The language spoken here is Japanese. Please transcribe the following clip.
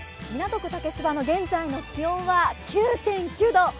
港区竹芝の現在の気温は９．９度。